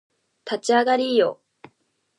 立ち上がりーよ